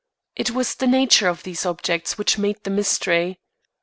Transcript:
It was the nature of these objects which made the mystery.